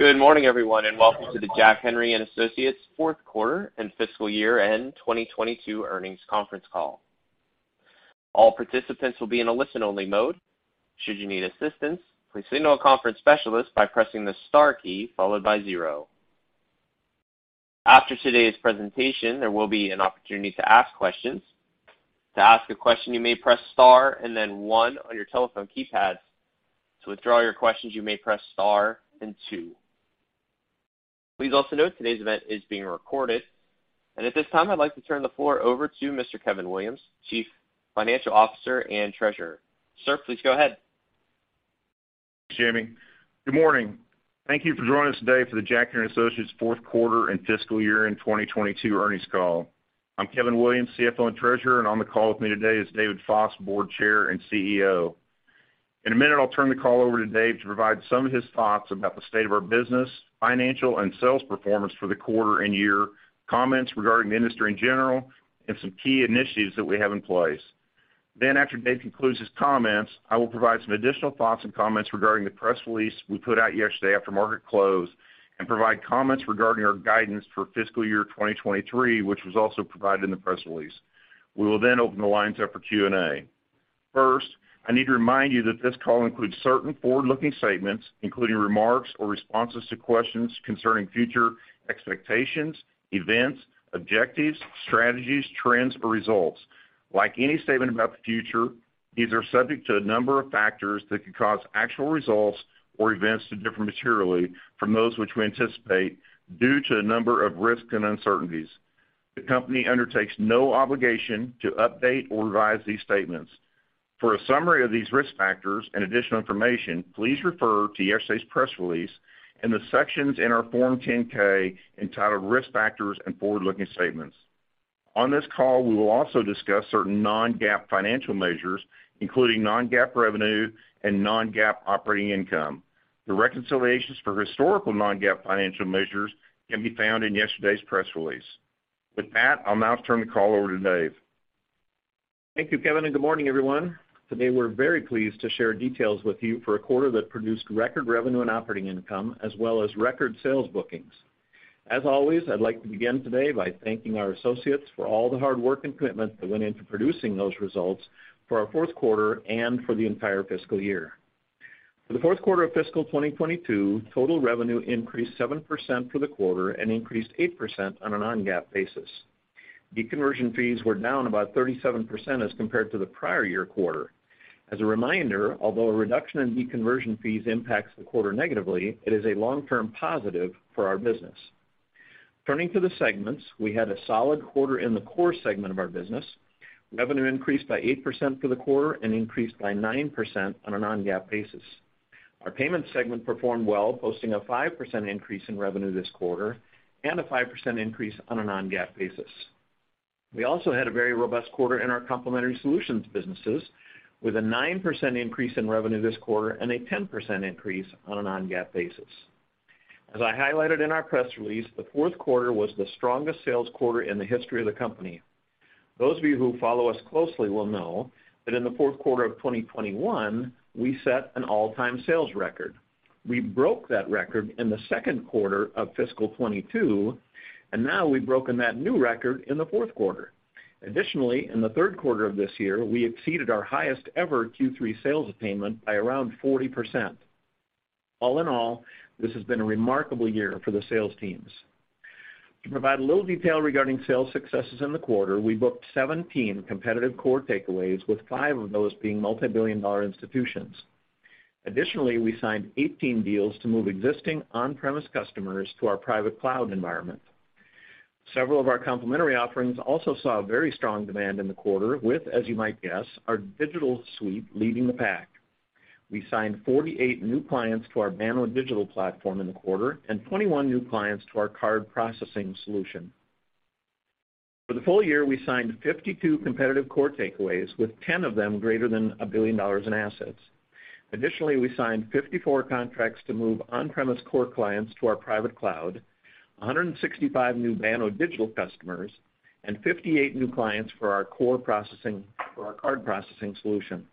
Good morning, everyone, and welcome to the Jack Henry & Associates Q4 and Fiscal Year-end 2022 Earnings Conference Call. All participants will be in a listen-only mode. Should you need assistance, please signal a conference specialist by pressing the star key followed by zero. After today's presentation, there will be an opportunity to ask questions. To ask a question, you may press star and then one on your telephone keypad. To withdraw your questions, you may press star and two. Please also note today's event is being recorded. At this time, I'd like to turn the floor over to Mr. Kevin Williams, Chief Financial Officer and Treasurer. Sir, please go ahead. Thanks, Jamie. Good morning. Thank you for joining us today for the Jack Henry & Associates Q4 and FY 2022 Earnings Call. I'm Kevin Williams, CFO and Treasurer, and on the call with me today is David Foss, Board Chair and CEO. In a minute, I'll turn the call over to Dave to provide some of his thoughts about the state of our business, financial and sales performance for the quarter and year, comments regarding the industry in general, and some key initiatives that we have in place. After Dave concludes his comments, I will provide some additional thoughts and comments regarding the press release we put out yesterday after market close and provide comments regarding our guidance for FY 2023, which was also provided in the press release. We will open the lines up for Q&A. First, I need to remind you that this call includes certain forward-looking statements, including remarks or responses to questions concerning future expectations, events, objectives, strategies, trends, or results. Like any statement about the future, these are subject to a number of factors that could cause actual results or events to differ materially from those which we anticipate due to a number of risks and uncertainties. The company undertakes no obligation to update or revise these statements. For a summary of these risk factors and additional information, please refer to yesterday's press release and the sections in our Form 10-K entitled Risk Factors and Forward-Looking Statements. On this call, we will also discuss certain non-GAAP financial measures, including non-GAAP revenue and non-GAAP operating income. The reconciliations for historical non-GAAP financial measures can be found in yesterday's press release. With that, I'll now turn the call over to Dave. Thank you, Kevin, and good morning, everyone. Today, we're very pleased to share details with you for a quarter that produced record revenue and operating income, as well as record sales bookings. As always, I'd like to begin today by thanking our associates for all the hard work and commitment that went into producing those results for our fourth quarter and for the entire fiscal year. For the Q4 of fiscal 2022, total revenue increased 7% for the quarter and increased 8% on a non-GAAP basis. Deconversion fees were down about 37% as compared to the prior year quarter. As a reminder, although a reduction in deconversion fees impacts the quarter negatively, it is a long-term positive for our business. Turning to the segments, we had a solid quarter in the core segment of our business. Revenue increased by 8% for the quarter and increased by 9% on a non-GAAP basis. Our payment segment performed well, posting a 5% increase in revenue this quarter and a 5% increase on a non-GAAP basis. We also had a very robust quarter in our complementary solutions businesses with a 9% increase in revenue this quarter and a 10% increase on a non-GAAP basis. As I highlighted in our press release, the Q4 was the strongest sales quarter in the history of the company. Those of you who follow us closely will know that in the Q4 of 2021, we set an all-time sales record. We broke that record in the Q2 of fiscal 2022, and now we've broken that new record in the Q4. Additionally, in the Q3 of this year, we exceeded our highest ever Q3 sales attainment by around 40%. All in all, this has been a remarkable year for the sales teams. To provide a little detail regarding sales successes in the quarter, we booked 17 competitive core takeaways, with five of those being multibillion-dollar institutions. Additionally, we signed 18 deals to move existing on-premise customers to our private cloud environment. Several of our complementary offerings also saw a very strong demand in the quarter with, as you might guess, our digital suite leading the pack. We signed 48 new clients to our Banno Digital platform in the quarter and 21 new clients to our card processing solution. For the full year, we signed 52 competitive core takeaways, with ten of them greater than a billion dollars in assets. Additionally, we signed 54 contracts to move on-premise core clients to our private cloud, 165 new Banno Digital customers, and 58 new clients for our card processing solution.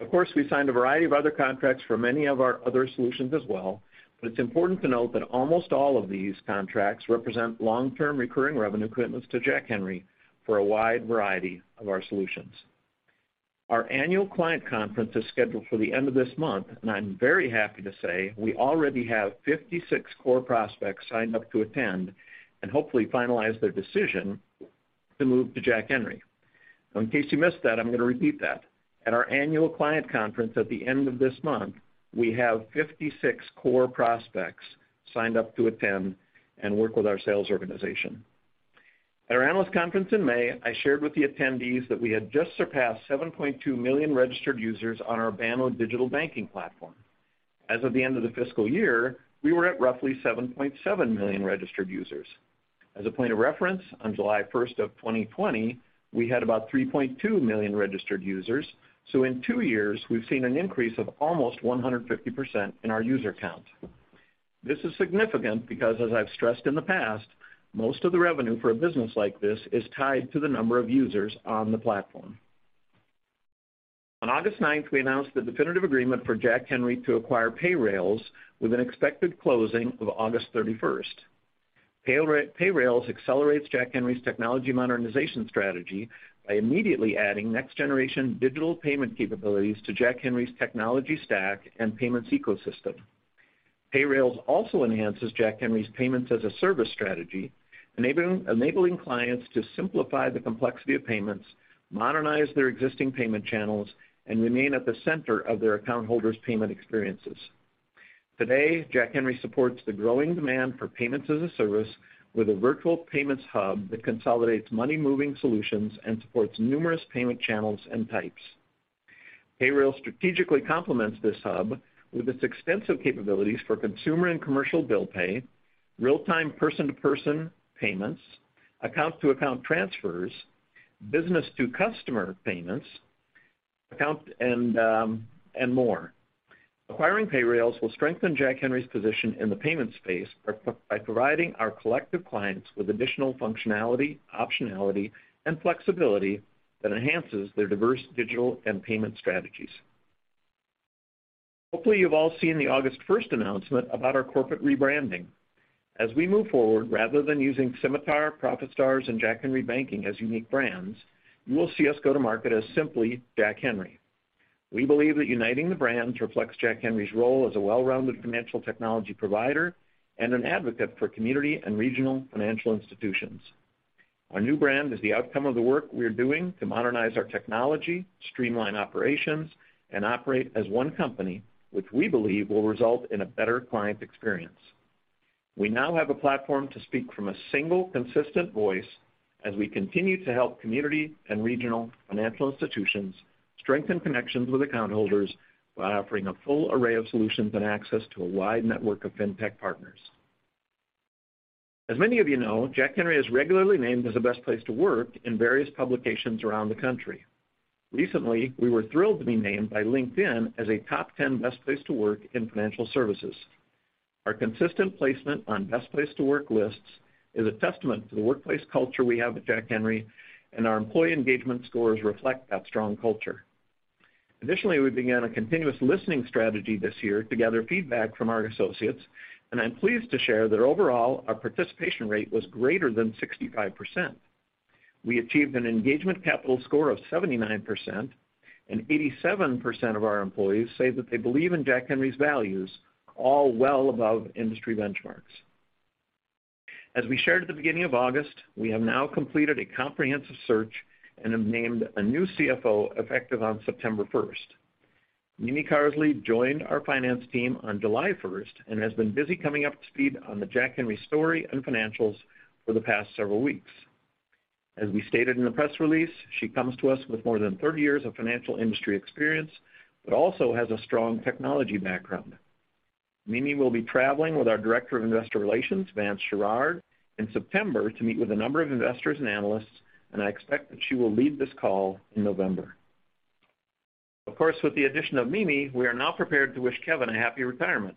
Of course, we signed a variety of other contracts for many of our other solutions as well, but it's important to note that almost all of these contracts represent long-term recurring revenue commitments to Jack Henry for a wide variety of our solutions. Our annual client conference is scheduled for the end of this month, and I'm very happy to say we already have 56 core prospects signed up to attend and hopefully finalize their decision to move to Jack Henry. Now, in case you missed that, I'm going to repeat that. At our annual client conference at the end of this month, we have 56 core prospects signed up to attend and work with our sales organization. At our analyst conference in May, I shared with the attendees that we had just surpassed 7.2 million registered users on our Banno Digital Banking platform. As of the end of the fiscal year, we were at roughly 7.7 million registered users. As a point of reference, on July first of 2020, we had about 3.2 million registered users. In two years, we've seen an increase of almost 150% in our user count. This is significant because, as I've stressed in the past, most of the revenue for a business like this is tied to the number of users on the platform. On August ninth, we announced the definitive agreement for Jack Henry to acquire Payrailz with an expected closing of August 31st. Payrailz accelerates Jack Henry's technology modernization strategy by immediately adding next-generation digital payment capabilities to Jack Henry's technology stack and payments ecosystem. Payrailz also enhances Jack Henry's payments-as-a-service strategy, enabling clients to simplify the complexity of payments, modernize their existing payment channels, and remain at the center of their account holders' payment experiences. Today, Jack Henry supports the growing demand for payments as a service with a virtual payments hub that consolidates money-moving solutions and supports numerous payment channels and types. Payrailz strategically complements this hub with its extensive capabilities for consumer and commercial bill pay, real-time person-to-person payments, account-to-account transfers, business-to-customer payments, account and more. Acquiring Payrailz will strengthen Jack Henry's position in the payment space by providing our collective clients with additional functionality, optionality, and flexibility that enhances their diverse digital and payment strategies. Hopefully, you've all seen the August 1st announcement about our corporate rebranding. As we move forward, rather than using Symitar, ProfitStars, and Jack Henry Banking as unique brands, you will see us go to market as simply Jack Henry. We believe that uniting the brands reflects Jack Henry's role as a well-rounded financial technology provider and an advocate for community and regional financial institutions. Our new brand is the outcome of the work we are doing to modernize our technology, streamline operations, and operate as one company, which we believe will result in a better client experience. We now have a platform to speak from a single consistent voice as we continue to help community and regional financial institutions strengthen connections with account holders by offering a full array of solutions and access to a wide network of fintech partners. As many of you know, Jack Henry is regularly named as a best place to work in various publications around the country. Recently, we were thrilled to be named by LinkedIn as a top 10 best place to work in financial services. Our consistent placement on best place to work lists is a testament to the workplace culture we have at Jack Henry, and our employee engagement scores reflect that strong culture. Additionally, we began a continuous listening strategy this year to gather feedback from our associates, and I'm pleased to share that overall, our participation rate was greater than 65%. We achieved an engagement capital score of 79% and 87% of our employees say that they believe in Jack Henry's values, all well above industry benchmarks. As we shared at the beginning of August, we have now completed a comprehensive search and have named a new CFO effective on September 1st. Mimi Carsley joined our finance team on July 1st and has been busy coming up to speed on the Jack Henry story and financials for the past several weeks. As we stated in the press release, she comes to us with more than 30 years of financial industry experience, but also has a strong technology background. Mimi will be traveling with our Director of Investor Relations, Vance Sherard, in September to meet with a number of investors and analysts, and I expect that she will lead this call in November. Of course, with the addition of Mimi, we are now prepared to wish Kevin a happy retirement.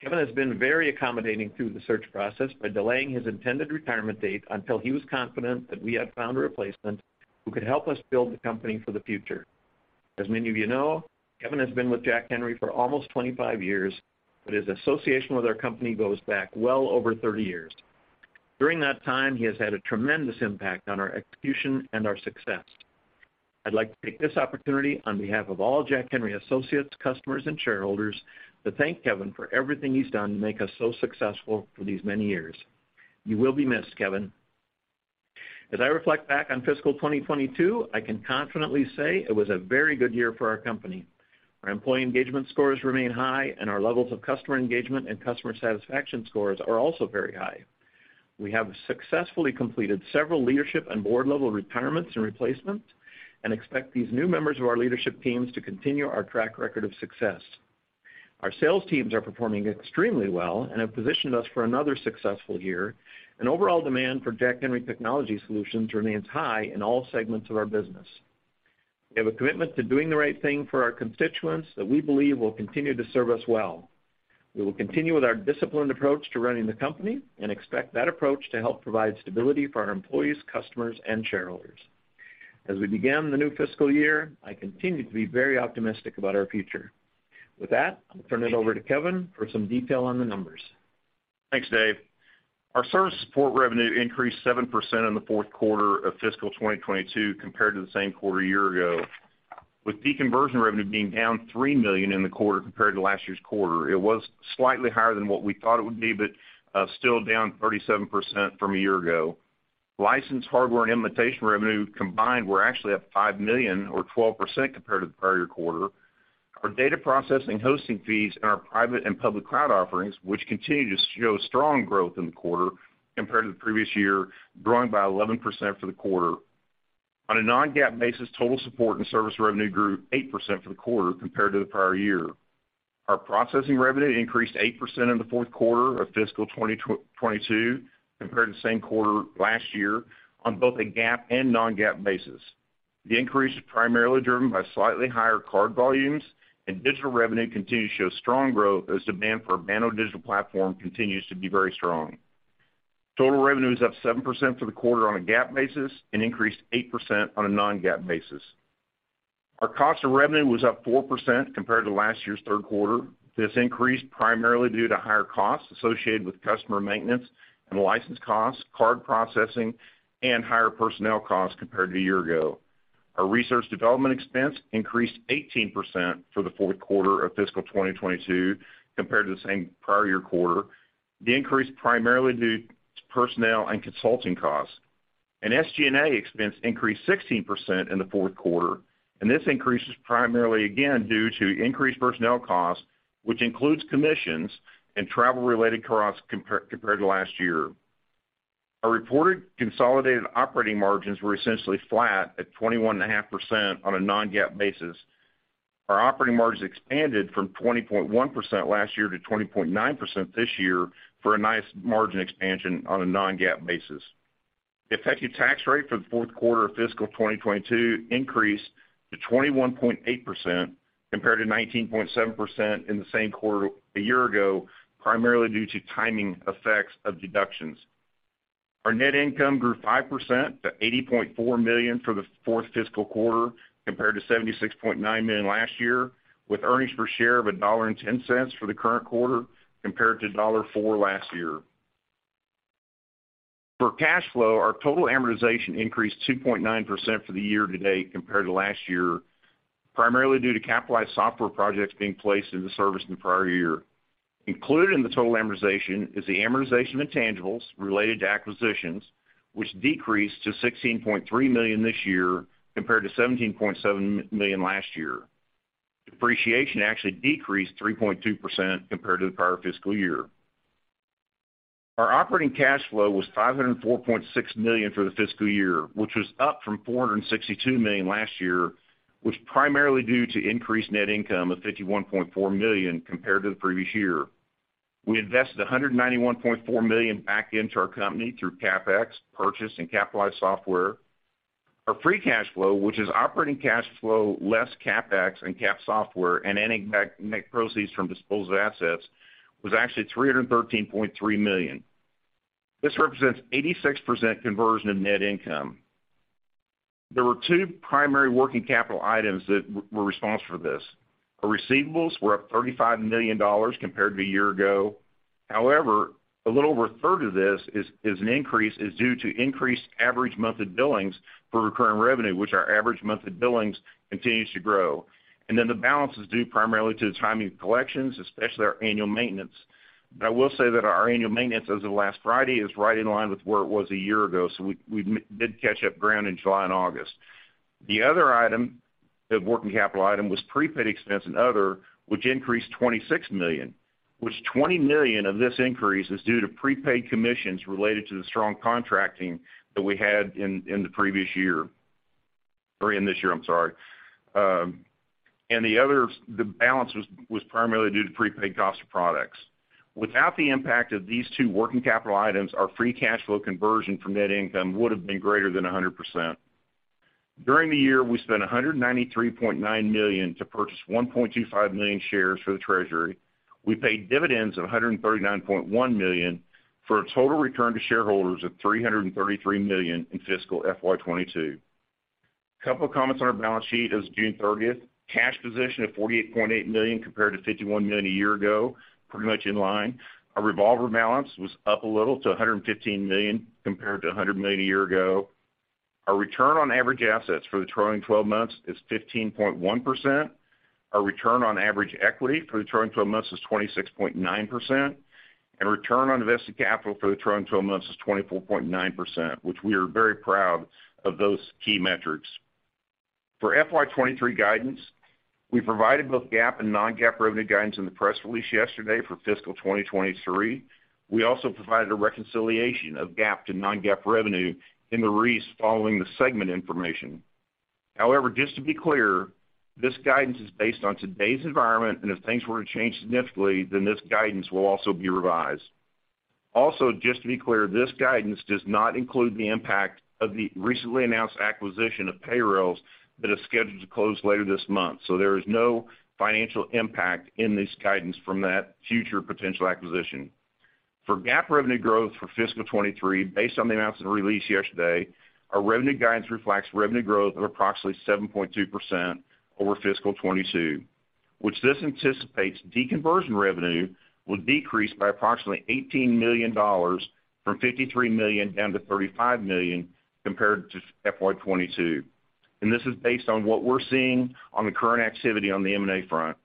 Kevin has been very accommodating through the search process by delaying his intended retirement date until he was confident that we had found a replacement who could help us build the company for the future. As many of you know, Kevin has been with Jack Henry for almost 25 years, but his association with our company goes back well over 30 years. During that time, he has had a tremendous impact on our execution and our success. I'd like to take this opportunity on behalf of all Jack Henry Associates, customers, and shareholders to thank Kevin for everything he's done to make us so successful for these many years. You will be missed, Kevin. As I reflect back on fiscal 2022, I can confidently say it was a very good year for our company. Our employee engagement scores remain high and our levels of customer engagement and customer satisfaction scores are also very high. We have successfully completed several leadership and board-level retirements and replacements and expect these new members of our leadership teams to continue our track record of success. Our sales teams are performing extremely well and have positioned us for another successful year, and overall demand for Jack Henry technology solutions remains high in all segments of our business. We have a commitment to doing the right thing for our constituents that we believe will continue to serve us well. We will continue with our disciplined approach to running the company and expect that approach to help provide stability for our employees, customers, and shareholders. As we begin the new fiscal year, I continue to be very optimistic about our future. With that, I'll turn it over to Kevin for some detail on the numbers. Thanks, Dave. Our service support revenue increased 7% in the Q4 of fiscal 2022 compared to the same quarter a year ago. With fee conversion revenue being down $3 million in the quarter compared to last year's quarter, it was slightly higher than what we thought it would be, but still down 37% from a year ago. License, hardware, and implementation revenue combined were actually up $5 million or 12% compared to the prior quarter. Our data processing hosting fees and our private and public cloud offerings, which continue to show strong growth in the quarter compared to the previous year, growing by 11% for the quarter. On a non-GAAP basis, total support and service revenue grew 8% for the quarter compared to the prior year. Our processing revenue increased 8% in the fourth quarter of fiscal 2022 compared to the same quarter last year on both a GAAP and non-GAAP basis. The increase is primarily driven by slightly higher card volumes and digital revenue continues to show strong growth as demand for our Banno Digital platform continues to be very strong. Total revenue is up 7% for the quarter on a GAAP basis, and increased 8% on a non-GAAP basis. Our cost of revenue was up 4% compared to last year's Q4. This increased primarily due to higher costs associated with customer maintenance and license costs, card processing, and higher personnel costs compared to a year ago. Our research development expense increased 18% for the Q4 of fiscal 2022 compared to the same prior year quarter. The increase primarily due to personnel and consulting costs. SG&A expense increased 16% in the Q4, and this increase is primarily again due to increased personnel costs, which includes commissions and travel-related costs compared to last year. Our reported consolidated operating margins were essentially flat at 21.5% on a non-GAAP basis. Our operating margins expanded from 20.1% last year to 20.9% this year for a nice margin expansion on a non-GAAP basis. The effective tax rate for the Q4 of fiscal 2022 increased to 21.8% compared to 19.7% in the same quarter a year ago, primarily due to timing effects of deductions. Our net income grew 5% to $80.4 million for the fourth fiscal quarter, compared to $76.9 million last year, with earnings per share of $1.10 for the current quarter, compared to $1.04 last year. For cash flow, our total amortization increased 2.9% for the year to date compared to last year, primarily due to capitalized software projects being placed into service in the prior year. Included in the total amortization is the amortization of intangibles related to acquisitions, which decreased to $16.3 million this year compared to $17.7 million last year. Depreciation actually decreased 3.2% compared to the prior fiscal year. Our operating cash flow was $504.6 million for the fiscal year, which was up from $462 million last year, which primarily due to increased net income of $51.4 million compared to the previous year. We invested $191.4 million back into our company through CapEx, purchase and capitalized software. Our free cash flow, which is operating cash flow less CapEx and capitalized software and any net proceeds from disposal of assets, was actually $313.3 million. This represents 86% conversion of net income. There were two primary working capital items that were responsible for this. Our receivables were up $35 million compared to a year ago. However, a little over a third of this is due to increased average monthly billings for recurring revenue, which our average monthly billings continues to grow. Then the balance is due primarily to the timing of collections, especially our annual maintenance. I will say that our annual maintenance as of last Friday is right in line with where it was a year ago, so we did catch up ground in July and August. The other item, the working capital item, was prepaid expense and other, which increased $26 million, which $20 million of this increase is due to prepaid commissions related to the strong contracting that we had in the previous year, or in this year, I'm sorry. The balance was primarily due to prepaid cost of products. Without the impact of these two working capital items, our free cash flow conversion from net income would have been greater than 100%. During the year, we spent $193.9 million to purchase 1.25 million shares for the treasury. We paid dividends of $139.1 million for a total return to shareholders of $333 million in fiscal FY 2022. A couple of comments on our balance sheet as of June thirtieth. Cash position of $48.8 million compared to $51 million a year ago, pretty much in line. Our revolver balance was up a little to $115 million compared to $100 million a year ago. Our return on average assets for the trailing twelve months is 15.1%. Our return on average equity for the trailing twelve months is 26.9%, and return on invested capital for the trailing 12 months is 24.9%, which we are very proud of those key metrics. For FY 2023 guidance, we provided both GAAP and non-GAAP revenue guidance in the press release yesterday for fiscal 2023. We also provided a reconciliation of GAAP to non-GAAP revenue in the release following the segment information. However, just to be clear, this guidance is based on today's environment, and if things were to change significantly, then this guidance will also be revised. Also, just to be clear, this guidance does not include the impact of the recently announced acquisition of Payrailz that is scheduled to close later this month. There is no financial impact in this guidance from that future potential acquisition. For GAAP revenue growth for fiscal 2023, based on the announcement released yesterday, our revenue guidance reflects revenue growth of approximately 7.2% over fiscal 2022, which this anticipates deconversion revenue will decrease by approximately $18 million from $53 million down to $35 million compared to FY 2022. This is based on what we're seeing on the current activity on the M&A front.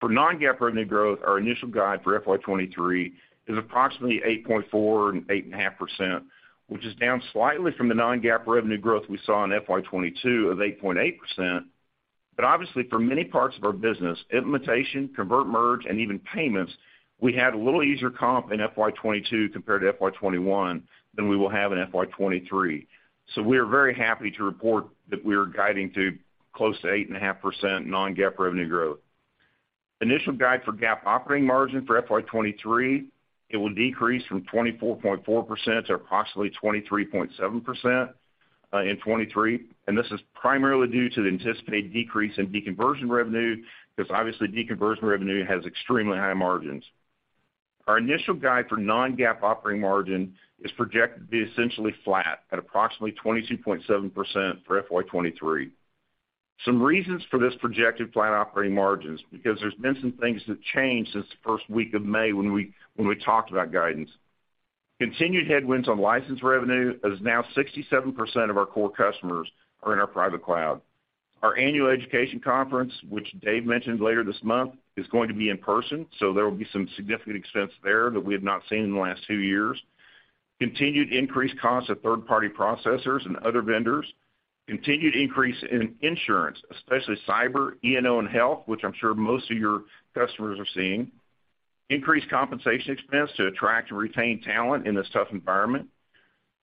For non-GAAP revenue growth, our initial guide for FY 2023 is approximately 8.4%-8.5%, which is down slightly from the non-GAAP revenue growth we saw in FY 2022 of 8.8%. Obviously, for many parts of our business, implementation, convert merge, and even payments, we had a little easier comp in FY 2022 compared to FY 2021 than we will have in FY 2023. We are very happy to report that we are guiding to close to 8.5% non-GAAP revenue growth. Initial guide for GAAP operating margin for FY 2023, it will decrease from 24.4% to approximately 23.7% in 2023, and this is primarily due to the anticipated decrease in deconversion revenue, because obviously deconversion revenue has extremely high margins. Our initial guide for non-GAAP operating margin is projected to be essentially flat at approximately 22.7% for FY 2023. Some reasons for this projected flat operating margin is because there's been some things that changed since the first week of May when we talked about guidance. Continued headwinds on license revenue, as now 67% of our core customers are in our private cloud. Our annual education conference, which Dave mentioned later this month, is going to be in person, so there will be some significant expense there that we have not seen in the last two years. Continued increased costs of third-party processors and other vendors. Continued increase in insurance, especially cyber, E&O, and health, which I'm sure most of your customers are seeing. Increased compensation expense to attract and retain talent in this tough environment.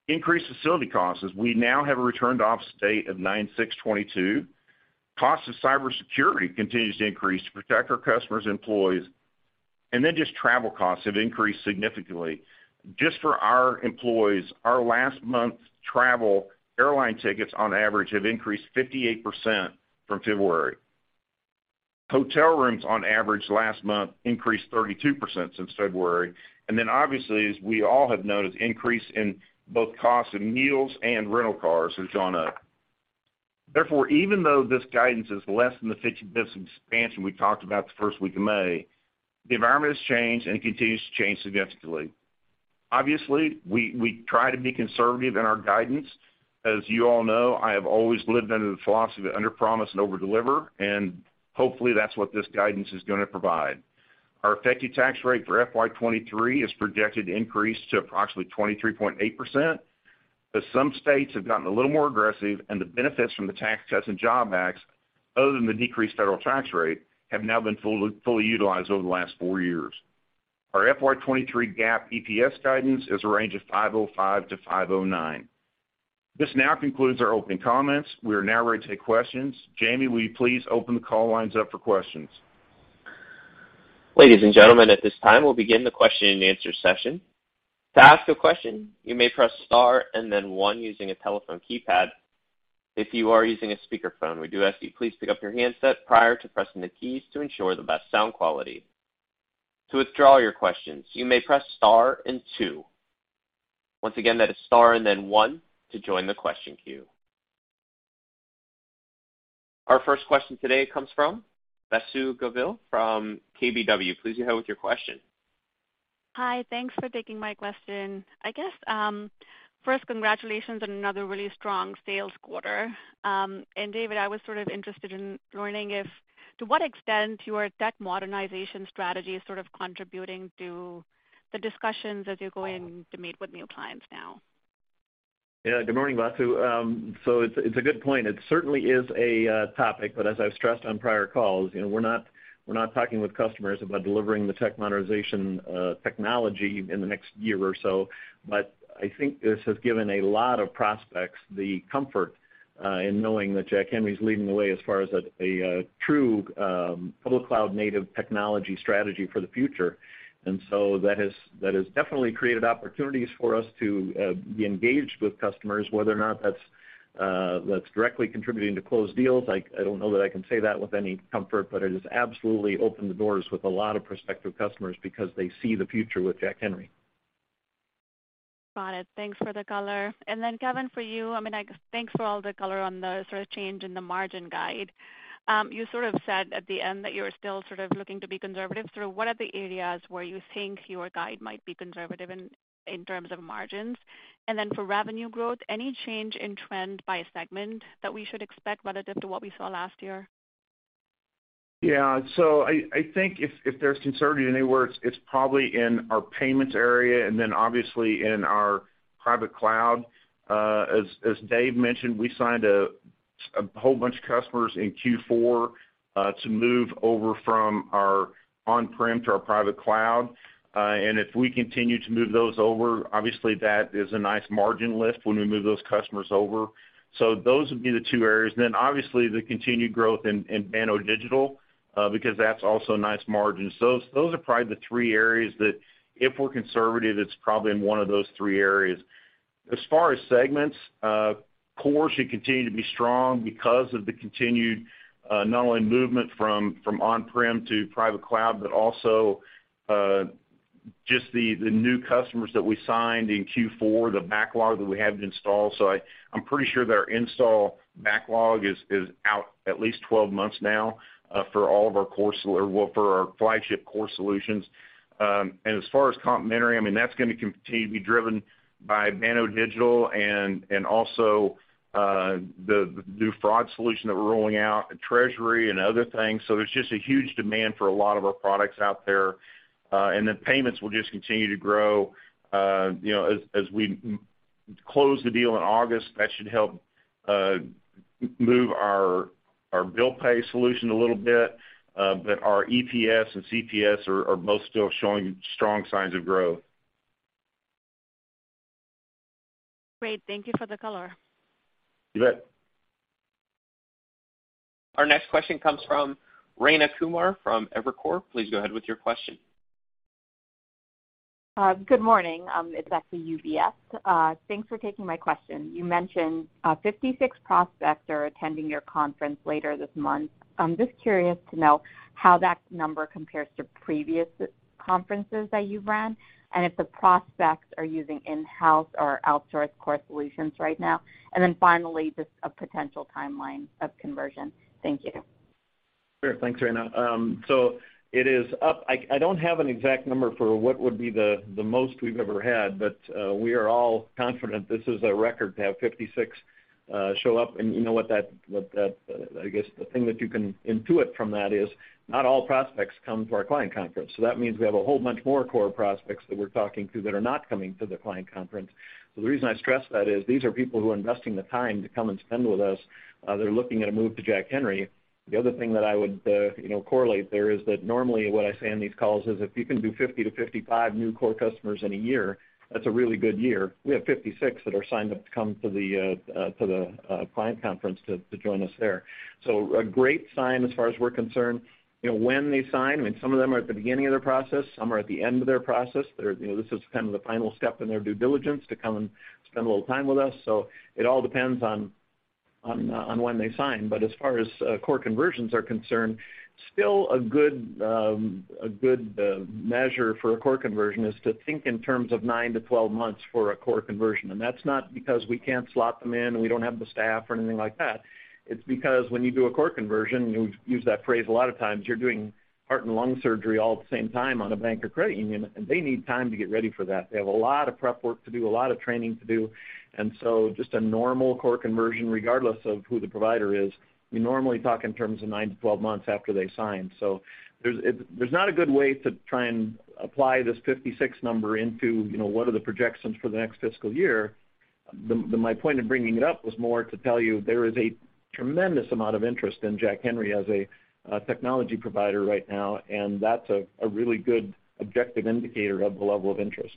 Increased facility costs as we now have a return-to-office state of 9/6/2022. Cost of cybersecurity continues to increase to protect our customers' employees. Just travel costs have increased significantly. Just for our employees, our last month's travel airline tickets on average have increased 58% from February. Hotel rooms on average last month increased 32% since February. Obviously, as we all have noticed, increase in both cost of meals and rental cars has gone up. Therefore, even though this guidance is less than the 50 basis point expansion we talked about the first week of May, the environment has changed and continues to change significantly. Obviously, we try to be conservative in our guidance. As you all know, I have always lived under the philosophy of underpromise and overdeliver, and hopefully that's what this guidance is gonna provide. Our effective tax rate for FY 2023 is projected to increase to approximately 23.8%, as some states have gotten a little more aggressive and the benefits from the Tax Cuts and Jobs Act, other than the decreased federal tax rate, have now been fully utilized over the last four years. Our FY 2023 GAAP EPS guidance is a range of $5.05-$5.09. This now concludes our opening comments. We are now ready to take questions. Jamie, will you please open the call lines up for questions? Ladies and gentlemen, at this time, we'll begin the question-and-answer session. To ask a question, you may press star and then one using a telephone keypad. If you are using a speakerphone, we do ask you please pick up your handset prior to pressing the keys to ensure the best sound quality. To withdraw your questions, you may press star and two. Once again, that is star and then one to join the question queue. Our first question today comes from Vasu Govil from KBW. Please go ahead with your question. Hi. Thanks for taking my question. I guess, first, congratulations on another really strong sales quarter. David, I was sort of interested in learning to what extent your tech modernization strategy is sort of contributing to the discussions as you're going to meet with new clients now. Yeah. Good morning, Vasu. It's a good point. It certainly is a topic, but as I've stressed on prior calls, you know, we're not talking with customers about delivering the tech modernization technology in the next year or so. I think this has given a lot of prospects the comfort in knowing that Jack Henry is leading the way as far as a true public cloud native technology strategy for the future. That has definitely created opportunities for us to be engaged with customers, whether or not that's directly contributing to closed deals. I don't know that I can say that with any comfort, but it has absolutely opened the doors with a lot of prospective customers because they see the future with Jack Henry. Got it. Thanks for the color. Kevin, for you, I mean, like, thanks for all the color on the sort of change in the margin guide. You sort of said at the end that you're still sort of looking to be conservative. What are the areas where you think your guide might be conservative in terms of margins? For revenue growth, any change in trend by segment that we should expect relative to what we saw last year? Yeah. I think if there's conservative anywhere, it's probably in our payments area and then obviously in our private cloud. As Dave mentioned, we signed a whole bunch of customers in Q4 to move over from our on-prem to our private cloud. If we continue to move those over, obviously that is a nice margin lift when we move those customers over. Those would be the two areas. Obviously the continued growth in Banno Digital because that's also nice margins. Those are probably the three areas that if we're conservative, it's probably in one of those three areas. As far as segments, core should continue to be strong because of the continued not only movement from on-prem to private cloud, but also just the new customers that we signed in Q4, the backlog that we haven't installed. I'm pretty sure that our install backlog is out at least 12 months now for our flagship core solutions. As far as complementary, I mean, that's gonna continue to be driven by Banno Digital and also the new fraud solution that we're rolling out, and treasury and other things. There's just a huge demand for a lot of our products out there. The payments will just continue to grow, you know, as we close the deal in August, that should help move our bill pay solution a little bit. Our EPS and CPS are both still showing strong signs of growth. Great. Thank you for the color. You bet. Our next question comes from Rayna Kumar from Evercore. Please go ahead with your question. Good morning. It's actually UBS. Thanks for taking my question. You mentioned, 56 prospects are attending your conference later this month. I'm just curious to know how that number compares to previous conferences that you've run, and if the prospects are using in-house or outsourced core solutions right now? And then finally, just a potential timeline of conversion. Thank you. Sure. Thanks, Rayna. I don't have an exact number for what would be the most we've ever had, but we are all confident this is a record to have 56 show up. You know what that, I guess the thing that you can intuit from that is not all prospects come to our client conference. That means we have a whole lot more core prospects that we're talking to that are not coming to the client conference. The reason I stress that is these are people who are investing the time to come and spend with us. They're looking at a move to Jack Henry. The other thing that I would, you know, correlate there is that normally what I say on these calls is if you can do 50-55 new core customers in a year, that's a really good year. We have 56 that are signed up to come to the client conference to join us there. A great sign as far as we're concerned. You know, when they sign, I mean, some of them are at the beginning of their process, some are at the end of their process. They're, you know, this is kind of the final step in their due diligence to come and spend a little time with us. It all depends on when they sign. As far as core conversions are concerned, still a good measure for a core conversion is to think in terms of nine to 12 months for a core conversion. That's not because we can't slot them in, and we don't have the staff or anything like that. It's because when you do a core conversion, you use that phrase a lot of times, you're doing heart and lung surgery all at the same time on a bank or credit union, and they need time to get ready for that. They have a lot of prep work to do, a lot of training to do. Just a normal core conversion, regardless of who the provider is, you normally talk in terms of nine to 12 months after they sign. There's not a good way to try and apply this 56 number into, you know, what are the projections for the next fiscal year. My point in bringing it up was more to tell you there is a tremendous amount of interest in Jack Henry as a technology provider right now, and that's a really good objective indicator of the level of interest.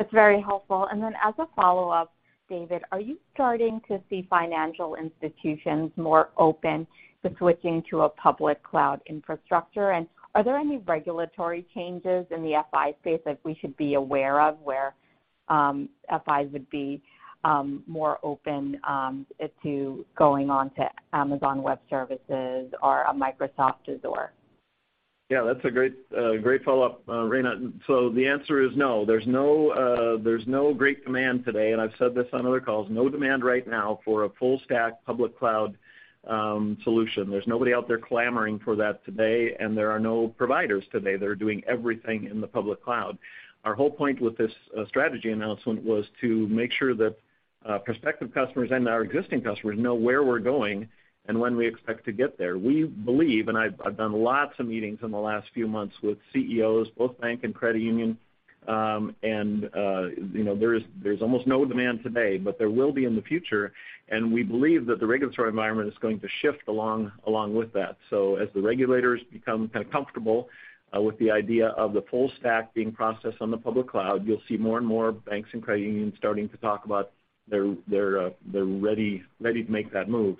That's very helpful. As a follow-up, David, are you starting to see financial institutions more open to switching to a public cloud infrastructure? Are there any regulatory changes in the FI space that we should be aware of where FIs would be more open to going onto Amazon Web Services or Microsoft Azure? Yeah, that's a great follow-up, Rayna. The answer is no. There's no great demand today, and I've said this on other calls. No demand right now for a full stack public cloud solution. There's nobody out there clamoring for that today, and there are no providers today that are doing everything in the public cloud. Our whole point with this strategy announcement was to make sure that prospective customers and our existing customers know where we're going and when we expect to get there. We believe, and I've done lots of meetings in the last few months with CEOs, both bank and credit union, and there's almost no demand today, but there will be in the future, and we believe that the regulatory environment is going to shift along with that. As the regulators become kind of comfortable with the idea of the full stack being processed on the public cloud, you'll see more and more banks and credit unions starting to talk about they're ready to make that move.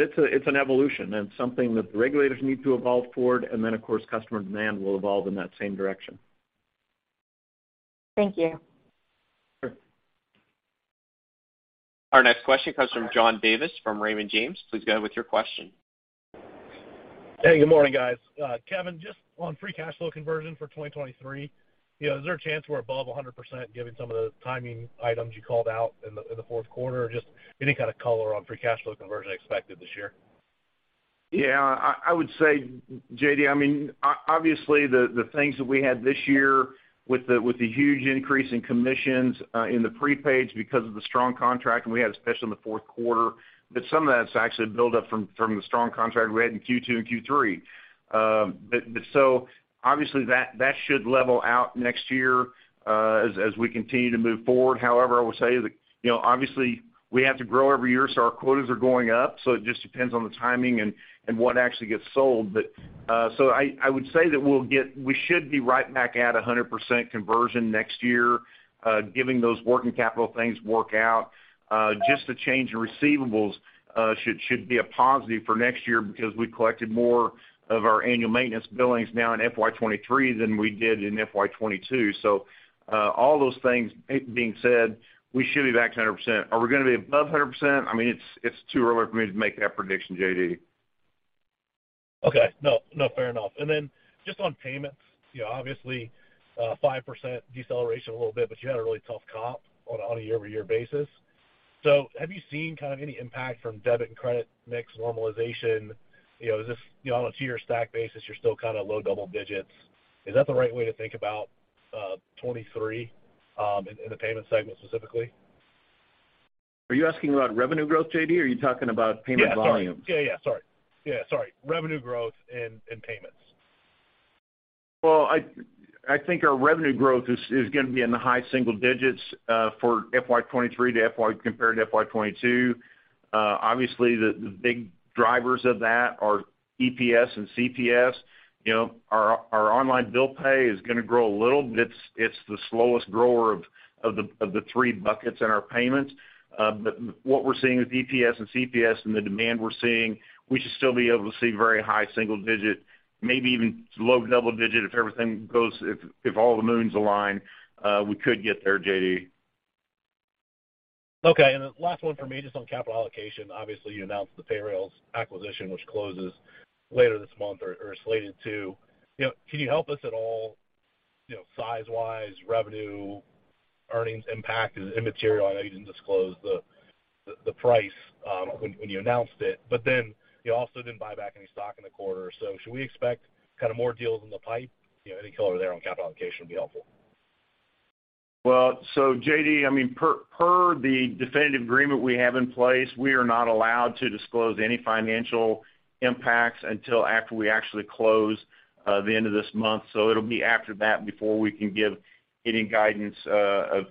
It's an evolution and something that the regulators need to evolve toward, and then, of course, customer demand will evolve in that same direction. Thank you. Sure. Our next question comes from John Davis from Raymond James. Please go ahead with your question. Hey, good morning, guys. Kevin, just on free cash flow conversion for 2023, you know, is there a chance we're above 100% given some of the timing items you called out in the fourth quarter? Or just any kind of color on free cash flow conversion expected this year. Yeah. I would say, J.D., I mean, obviously, the things that we had this year with the huge increase in commissions in the prepaid because of the strong contract and we had, especially in the fourth quarter, but some of that's actually built up from the strong contract we had in Q2 and Q3. So obviously that should level out next year, as we continue to move forward. However, I will say, you know, obviously, we have to grow every year, so our quotas are going up, so it just depends on the timing and what actually gets sold. So I would say that we should be right back at 100% conversion next year, giving those working capital things work out. Just the change in receivables should be a positive for next year because we collected more of our annual maintenance billings now in FY 2023 than we did in FY 2022. All those things being said, we should be back to 100%. Are we gonna be above 100%? I mean, it's too early for me to make that prediction, J.D. Okay. No, no, fair enough. Then just on payments, you know, obviously, 5% deceleration a little bit, but you had a really tough comp on a year-over-year basis. Have you seen kind of any impact from debit and credit mix normalization? You know, is this, you know, on a two-year stack basis, you're still kind of low double digits. Is that the right way to think about 2023 in the payment segment specifically? Are you asking about revenue growth, J.D., or are you talking about payment volume? Sorry. Revenue growth in payments. Well, I think our revenue growth is gonna be in the high single digits for FY 2023 compared to FY 2022. Obviously, the big drivers of that are EPS and CPS. You know, our online bill pay is gonna grow a little, but it's the slowest grower of the three buckets in our payment. What we're seeing with EPS and CPS and the demand we're seeing, we should still be able to see very high single digit, maybe even low double digit if everything goes. If all the moons align, we could get there, J.D. Okay. The last one for me, just on capital allocation. Obviously, you announced the Payrailz acquisition, which closes later this month or slated to. You know, can you help us at all, you know, size-wise, revenue, earnings impact is immaterial. I know you didn't disclose the price when you announced it. But then you also didn't buy back any stock in the quarter. Should we expect kind of more deals in the pipe? You know, any color there on capital allocation would be helpful. J.D., I mean, per the definitive agreement we have in place, we are not allowed to disclose any financial impacts until after we actually close the end of this month. It'll be after that before we can give any guidance of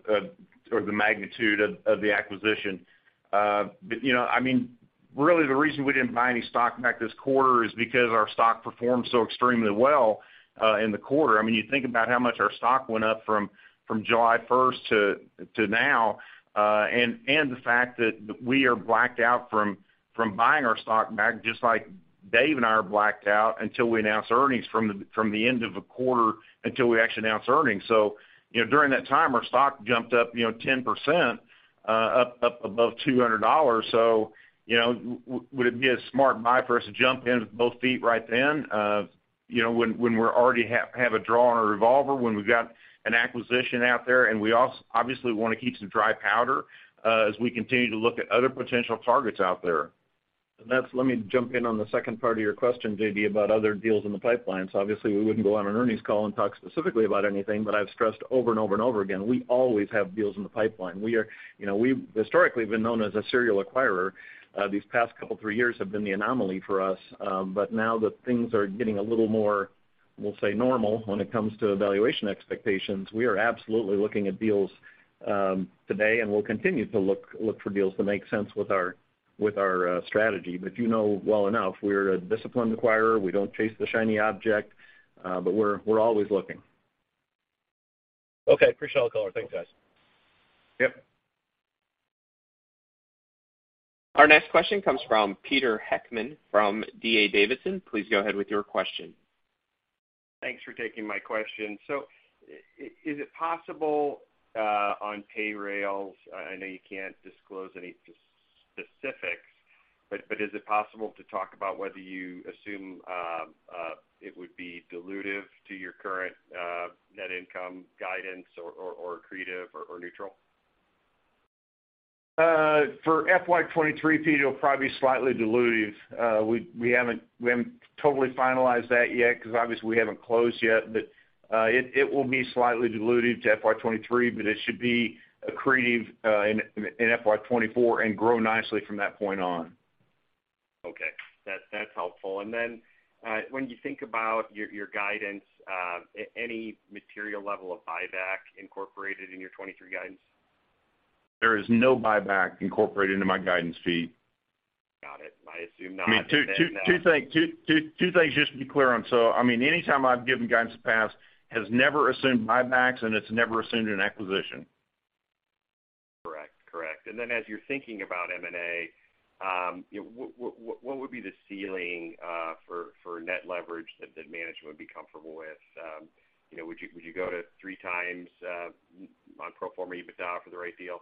sort of the magnitude of the acquisition. You know, I mean, really the reason we didn't buy any stock back this quarter is because our stock performed so extremely well in the quarter. I mean, you think about how much our stock went up from July first to now, and the fact that we are blacked out from buying our stock back, just like Dave and I are blacked out until we announce earnings from the end of a quarter until we actually announce earnings. You know, during that time, our stock jumped up, you know, 10% up above $200. You know, would it be a smart buy for us to jump in with both feet right then, you know, when we're already have a draw on our revolver, when we've got an acquisition out there, and we obviously wanna keep some dry powder, you know, as we continue to look at other potential targets out there. Let me jump in on the second part of your question, J.D., about other deals in the pipeline. Obviously we wouldn't go on an earnings call and talk specifically about anything, but I've stressed over and over and over again, we always have deals in the pipeline. We are, you know, we've historically been known as a serial acquirer. These past couple three years have been the anomaly for us. But now that things are getting a little more, we'll say, normal when it comes to valuation expectations, we are absolutely looking at deals today and will continue to look for deals that make sense with our strategy. You know well enough, we're a disciplined acquirer. We don't chase the shiny object, but we're always looking. Okay. Appreciate all the color. Thanks, guys. Yep. Our next question comes from Peter Heckmann from D.A. Davidson. Please go ahead with your question. Thanks for taking my question. Is it possible on Payrailz, I know you can't disclose any specifics, but is it possible to talk about whether you assume it would be dilutive to your current net income guidance or accretive or neutral? For FY 2023, Pete, it'll probably be slightly dilutive. We haven't totally finalized that yet 'cause obviously we haven't closed yet. It will be slightly dilutive to FY 2023, but it should be accretive in FY 2024 and grow nicely from that point on. Okay. That's helpful. When you think about your guidance, any material level of buyback incorporated in your 2023 guidance? There is no buyback incorporated into my guidance, Pete. Got it. I assume not and then. I mean, two things just to be clear on. I mean, anytime I've given guidance in the past has never assumed buybacks and it's never assumed an acquisition. Correct. As you're thinking about M&A, you know, what would be the ceiling for net leverage that management would be comfortable with? You know, would you go to 3x on pro forma EBITDA for the right deal?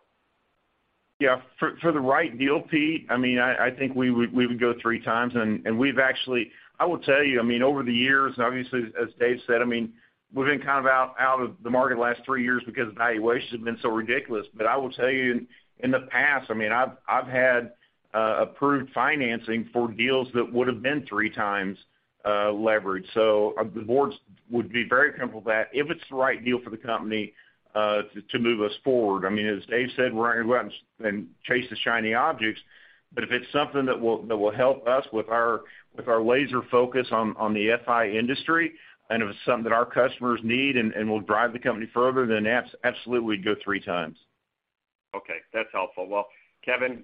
Yeah. For the right deal, Pete, I mean, I think we would go 3x and we've actually I will tell you, I mean, over the years, obviously as Dave said, I mean, we've been kind of out of the market the last three years because valuations have been so ridiculous. I will tell you, in the past, I mean, I've had approved financing for deals that would've been 3x leverage. The boards would be very comfortable that if it's the right deal for the company, to move us forward. I mean, as David said, we're not gonna go out and chase the shiny objects, but if it's something that will help us with our laser focus on the FI industry and if it's something that our customers need and will drive the company further, then absolutely, we'd go 3x. Okay, that's helpful. Well, Kevin,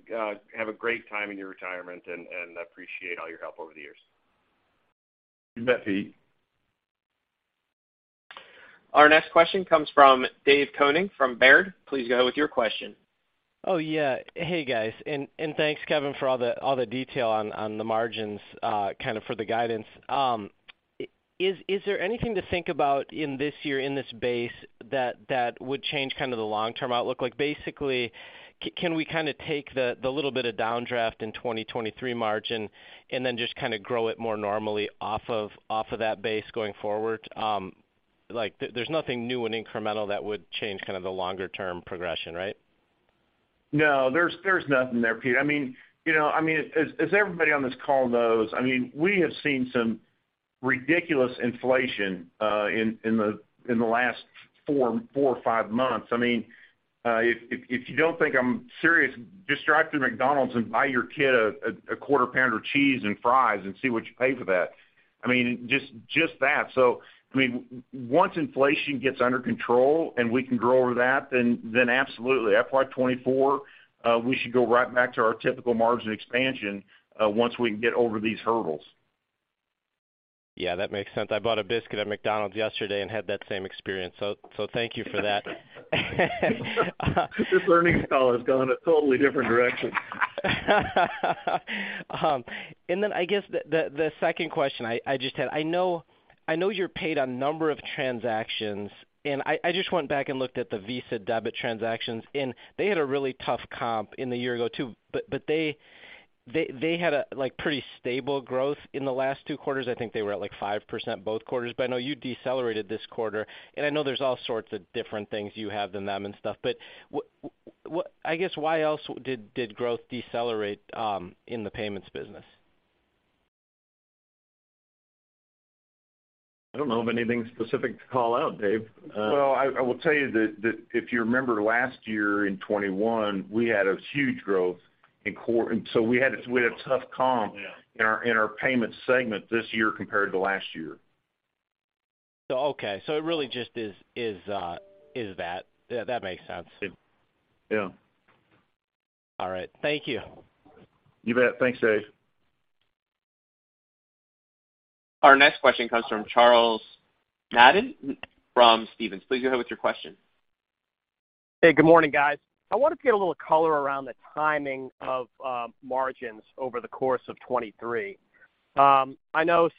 have a great time in your retirement and I appreciate all your help over the years. You bet, Pete. Our next question comes from David Koning from Baird. Please go with your question. Oh, yeah. Hey, guys, and thanks, Kevin, for all the detail on the margins, kind of for the guidance. Is there anything to think about in this year in this base that would change kind of the long-term outlook? Like basically, can we kinda take the little bit of downdraft in 2023 margin and then just kinda grow it more normally off of that base going forward? Like, there's nothing new and incremental that would change kind of the longer-term progression, right? No, there's nothing there, Pete. I mean, you know, I mean, as everybody on this call knows, I mean, we have seen some ridiculous inflation in the last four or five months. I mean, if you don't think I'm serious, just drive through McDonald's and buy your kid a Quarter Pounder with cheese and fries and see what you pay for that. I mean, just that. Once inflation gets under control and we can grow over that, then absolutely. FY 2024, we should go right back to our typical margin expansion once we can get over these hurdles. Yeah, that makes sense. I bought a biscuit at McDonald's yesterday and had that same experience, so thank you for that. This earnings call has gone a totally different direction. I guess the second question I just had. I know you're paid on number of transactions, and I just went back and looked at the Visa debit transactions, and they had a really tough comp in the year ago too, but they had a like pretty stable growth in the last two quarters. I think they were at like 5% both quarters. I know you decelerated this quarter, and I know there's all sorts of different things you have than them and stuff. I guess why else did growth decelerate in the payments business? I don't know of anything specific to call out, Dave. Well, I will tell you that if you remember last year in 2021, we had a huge growth, and we had a tough comp- Yeah In our payment segment this year compared to last year. Okay, so it really just is that. Yeah, that makes sense. Yeah. All right. Thank you. You bet. Thanks, Dave. Our next question comes from Charles Madden from Stephens. Please go ahead with your question. Hey, good morning, guys. I wanted to get a little color around the timing of margins over the course of 2023. I know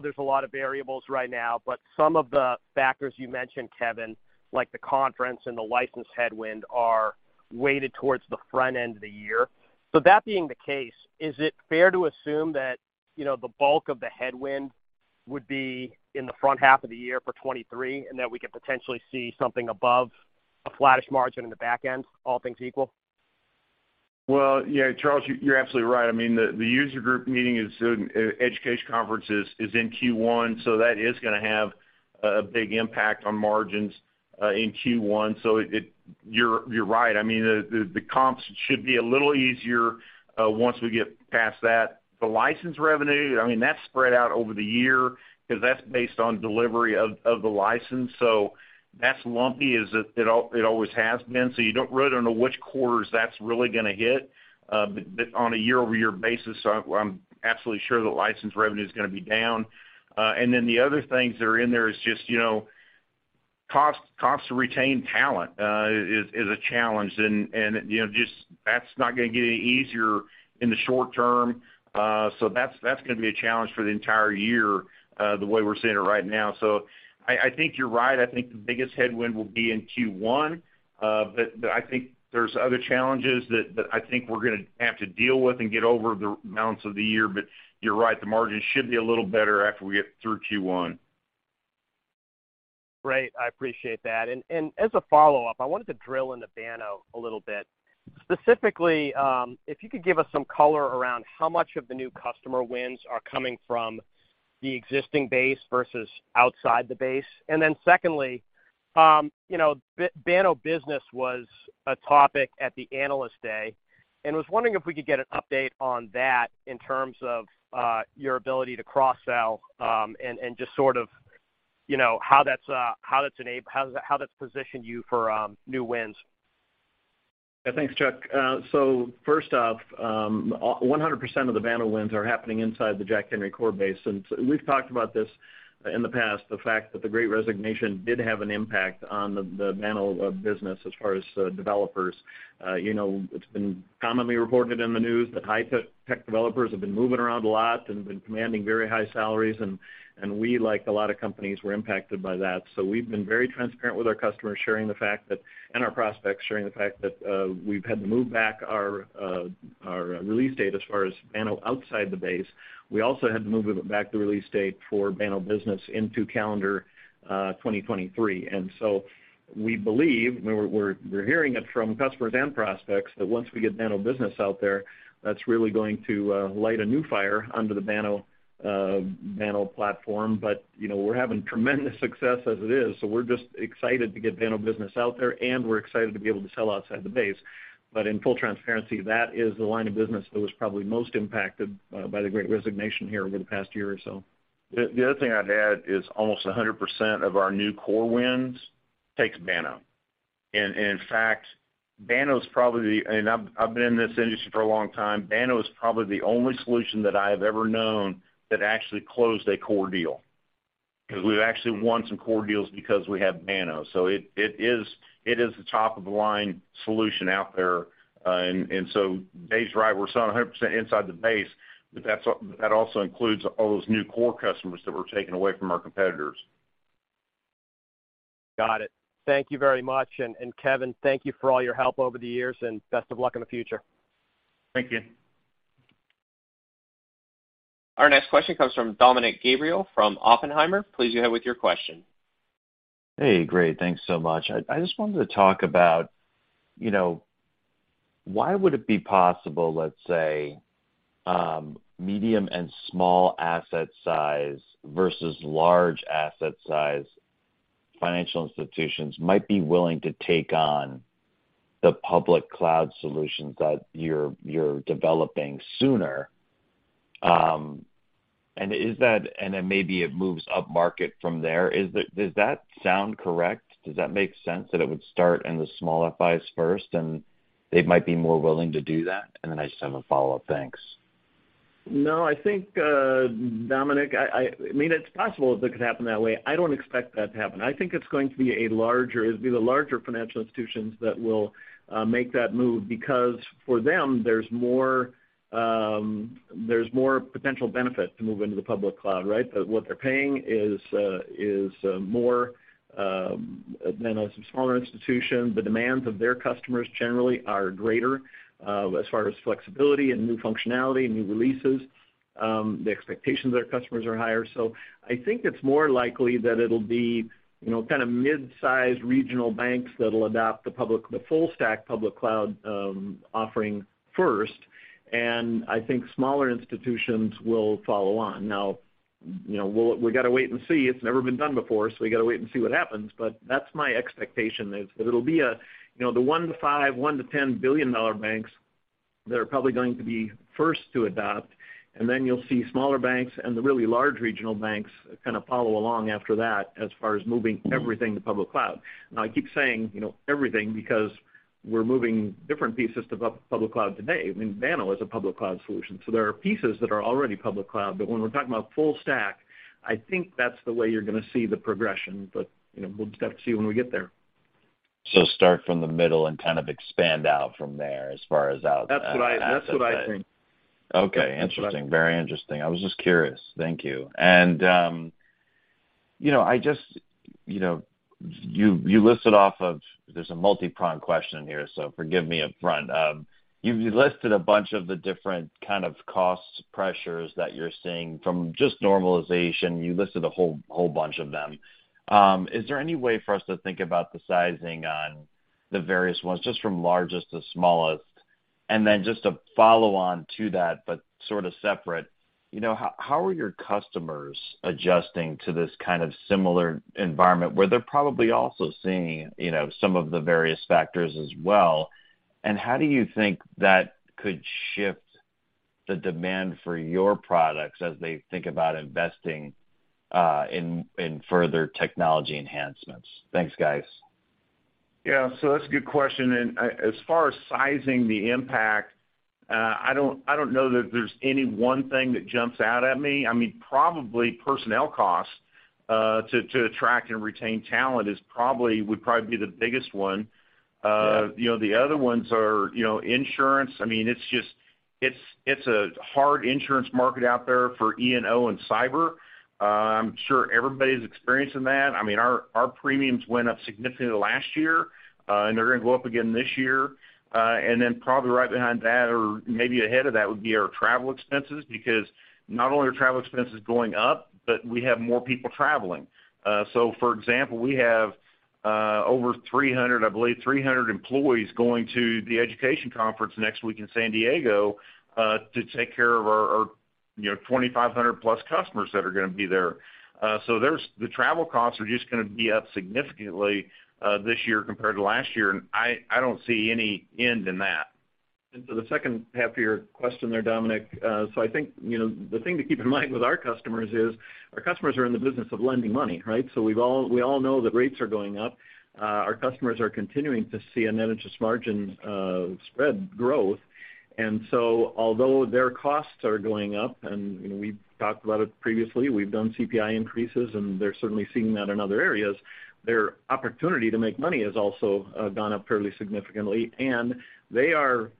there's a lot of variables right now, but some of the factors you mentioned, Kevin, like the conference and the license headwind, are weighted towards the front end of the year. That being the case, is it fair to assume that, you know, the bulk of the headwind would be in the front half of the year for 2023, and that we could potentially see something above a flattish margin in the back end, all things equal? Well, yeah, Charles, you're absolutely right. I mean, the education conference is in Q1, so that is gonna have a big impact on margins in Q1. You're right. I mean, the comps should be a little easier once we get past that. The license revenue, I mean, that's spread out over the year 'cause that's based on delivery of the license. So that's lumpy as it always has been, so you don't really know which quarters that's really gonna hit. On a year-over-year basis, I'm absolutely sure the license revenue is gonna be down. Then the other things that are in there is just, you know, costs to retain talent is a challenge. You know, just that's not gonna get any easier in the short term. That's gonna be a challenge for the entire year, the way we're seeing it right now. I think you're right. I think the biggest headwind will be in Q1. I think there's other challenges that I think we're gonna have to deal with and get over the balance of the year. You're right, the margins should be a little better after we get through Q1. Great. I appreciate that. As a follow-up, I wanted to drill into Banno a little bit. Specifically, if you could give us some color around how much of the new customer wins are coming from the existing base versus outside the base. Then secondly, you know, Banno Business was a topic at the Analyst Day, and was wondering if we could get an update on that in terms of your ability to cross-sell, and just sort of, you know, how that's positioned you for new wins? Yeah. Thanks, Charles. First off, 100% of the Banno wins are happening inside the Jack Henry core base. We've talked about this in the past, the fact that the Great Resignation did have an impact on the Banno business as far as developers. You know, it's been commonly reported in the news that high-tech developers have been moving around a lot and been commanding very high salaries and we, like a lot of companies, were impacted by that. We've been very transparent with our customers, sharing the fact that and our prospects, sharing the fact that we've had to move back our release date as far as Banno outside the base. We also had to move back the release date for Banno Business into calendar 2023. We believe we're hearing it from customers and prospects that once we get Banno Business out there, that's really going to light a new fire under the Banno platform. You know, we're having tremendous success as it is, so we're just excited to get Banno Business out there, and we're excited to be able to sell outside the base. In full transparency, that is the line of business that was probably most impacted by the Great Resignation here over the past year or so. The other thing I'd add is almost 100% of our new core wins takes Banno. In fact, Banno is probably and I've been in this industry for a long time. Banno is probably the only solution that I have ever known that actually closed a core deal. 'Cause we've actually won some core deals because we have Banno. It is the top-of-the-line solution out there. Dave's right. We're selling 100% inside the base, but that's also includes all those new core customers that we're taking away from our competitors. Got it. Thank you very much. Kevin, thank you for all your help over the years, and best of luck in the future. Thank you. Our next question comes from Dominick Gabriele from Oppenheimer. Please go ahead with your question. Hey, great. Thanks so much. I just wanted to talk about, you know- Why would it be possible, let's say, medium and small asset size versus large asset size financial institutions might be willing to take on the public cloud solutions that you're developing sooner? Is that, and then maybe it moves upmarket from there. Is that, does that sound correct? Does that make sense that it would start in the small FIs first, and they might be more willing to do that? I just have a follow-up. Thanks. No, I think, Dominick, I mean, it's possible that could happen that way. I don't expect that to happen. I think it'd be the larger financial institutions that will make that move because for them, there's more potential benefit to move into the public cloud, right? That what they're paying is more than a smaller institution. The demands of their customers generally are greater as far as flexibility and new functionality, new releases. The expectations of their customers are higher. I think it's more likely that it'll be, you know, kind of midsize regional banks that'll adopt the full stack public cloud offering first, and I think smaller institutions will follow on. Now, you know, we gotta wait and see. It's never been done before, so we gotta wait and see what happens. That's my expectation is that it'll be a, you know, the $1-$5 billion, $1-$10 billion banks that are probably going to be first to adopt, and then you'll see smaller banks and the really large regional banks kind of follow along after that as far as moving everything to public cloud. Now I keep saying, you know, everything because we're moving different pieces to public cloud today. I mean, Banno is a public cloud solution. So there are pieces that are already public cloud, but when we're talking about full stack, I think that's the way you're gonna see the progression. We'll have to see when we get there. Start from the middle and kind of expand out from there as far as out. That's what I think. Okay. Interesting. Very interesting. I was just curious. Thank you. You know, I just, you know, you listed off. There's a multipronged question here, so forgive me up front. You've listed a bunch of the different kind of cost pressures that you're seeing from just normalization. You listed a whole bunch of them. Is there any way for us to think about the sizing on the various ones, just from largest to smallest? Then just to follow on to that, but sort of separate, you know, how are your customers adjusting to this kind of similar environment where they're probably also seeing, you know, some of the various factors as well? How do you think that could shift the demand for your products as they think about investing in further technology enhancements? Thanks, guys. Yeah. That's a good question. As far as sizing the impact, I don't know that there's any one thing that jumps out at me. I mean, probably personnel costs to attract and retain talent would probably be the biggest one. Yeah. You know, the other ones are, you know, insurance. I mean, it's just a hard insurance market out there for E&O and cyber. I'm sure everybody's experiencing that. I mean, our premiums went up significantly last year, and they're gonna go up again this year. Probably right behind that or maybe ahead of that would be our travel expenses because not only are travel expenses going up, but we have more people traveling. For example, we have over 300, I believe, employees going to the education conference next week in San Diego to take care of our you know 2,500+ customers that are gonna be there. The travel costs are just gonna be up significantly this year compared to last year, and I don't see any end in that. To the second half of your question there, Dominick, so I think, you know, the thing to keep in mind with our customers is our customers are in the business of lending money, right? We all know that rates are going up. Our customers are continuing to see a net interest margin spread growth. Although their costs are going up, and, you know, we've talked about it previously, we've done CPI increases, and they're certainly seeing that in other areas, their opportunity to make money has also gone up fairly significantly. They are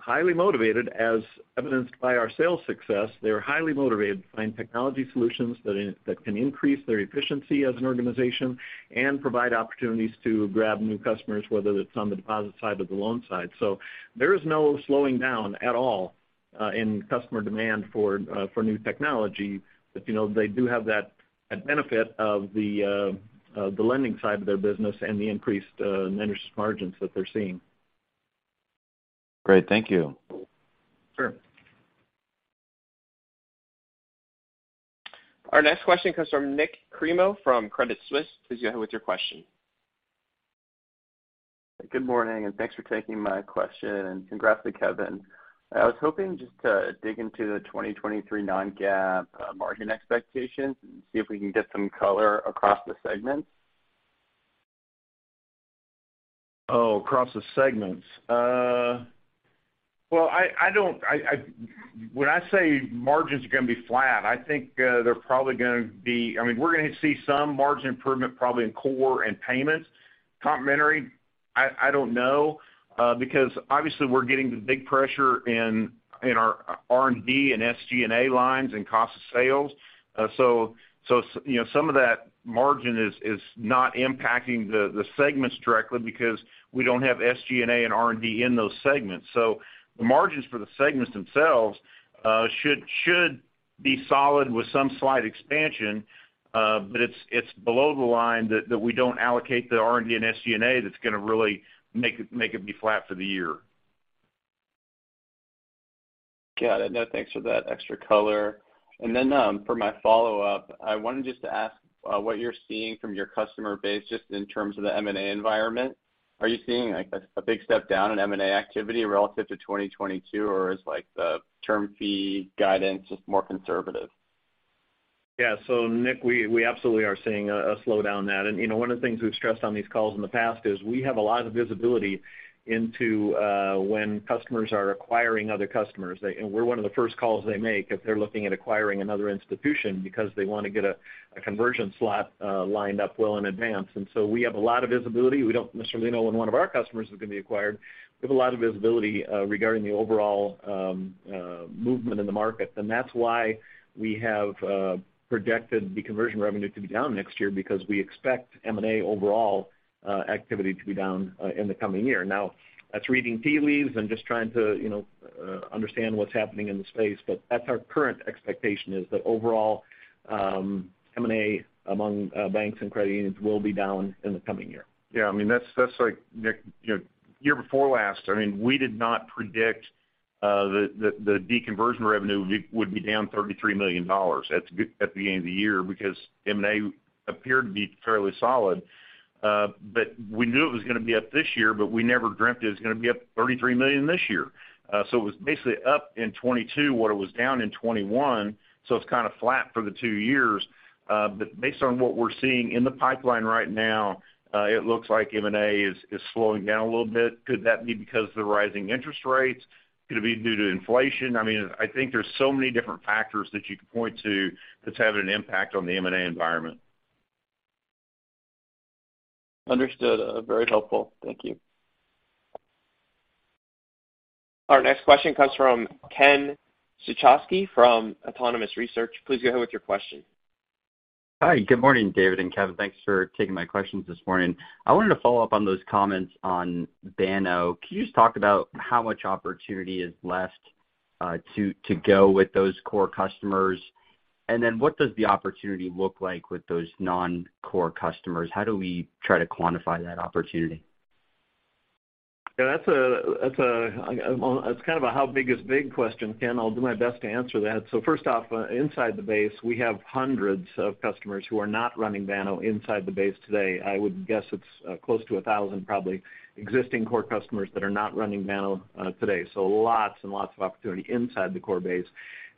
highly motivated, as evidenced by our sales success. They are highly motivated to find technology solutions that can increase their efficiency as an organization and provide opportunities to grab new customers, whether that's on the deposit side or the loan side. There is no slowing down at all in customer demand for new technology. You know, they do have that benefit of the lending side of their business and the increased net interest margins that they're seeing. Great. Thank you. Sure. Our next question comes from Nik Cremo from Credit Suisse. Please go ahead with your question. Good morning, and thanks for taking my question, and congrats to Kevin. I was hoping just to dig into the 2023 non-GAAP margin expectations and see if we can get some color across the segments. Across the segments. Well, I don't. When I say margins are gonna be flat, I think, they're probably gonna be. I mean, we're gonna see some margin improvement probably in core and payments. Complementary, I don't know, because obviously we're getting the big pressure in our R&D and SG&A lines and cost of sales. So you know, some of that margin is not impacting the segments directly because we don't have SG&A and R&D in those segments. The margins for the segments themselves should be solid with some slight expansion, but it's below the line that we don't allocate the R&D and SG&A that's gonna really make it be flat for the year. Got it. No, thanks for that extra color. For my follow-up, I wanted just to ask what you're seeing from your customer base, just in terms of the M&A environment. Are you seeing like a big step down in M&A activity relative to 2022, or is like the term fee guidance just more conservative? Yeah. Nik, we absolutely are seeing a slowdown in that. You know, one of the things we've stressed on these calls in the past is we have a lot of visibility into when customers are acquiring other customers. We're one of the first calls they make if they're looking at acquiring another institution because they want to get a conversion slot lined up well in advance. We have a lot of visibility. We don't necessarily know when one of our customers is going to be acquired. We have a lot of visibility regarding the overall movement in the market. That's why we have projected the conversion revenue to be down next year because we expect M&A overall activity to be down in the coming year. Now that's reading tea leaves and just trying to, you know, understand what's happening in the space, but that's our current expectation is that overall, M&A among, banks and credit unions will be down in the coming year. Yeah. I mean, that's like, Nik, you know, year before last, I mean, we did not predict the deconversion revenue would be down $33 million at the end of the year because M&A appeared to be fairly solid. But we knew it was gonna be up this year, but we never dreamt it was gonna be up $33 million this year. So it was basically up in 2022 what it was down in 2021, so it's kinda flat for the two years. But based on what we're seeing in the pipeline right now, it looks like M&A is slowing down a little bit. Could that be because of the rising interest rates? Could it be due to inflation? I mean, I think there's so many different factors that you could point to that's having an impact on the M&A environment. Understood. Very helpful. Thank you. Our next question comes from Ken Suchoski from Autonomous Research. Please go ahead with your question. Hi. Good morning, David and Kevin. Thanks for taking my questions this morning. I wanted to follow up on those comments on Banno. Can you just talk about how much opportunity is left to go with those core customers? What does the opportunity look like with those non-core customers? How do we try to quantify that opportunity? Well, it's kind of a how big is big question, Ken. I'll do my best to answer that. First off, inside the base, we have hundreds of customers who are not running Banno inside the base today. I would guess it's close to 1,000 probably existing core customers that are not running Banno today. Lots and lots of opportunity inside the core base.